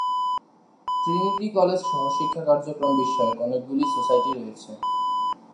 Trinity কলেজে সহশিক্ষা কার্যক্রম বিষয়ক অনেকগুলি সোসাইটি রয়েছে।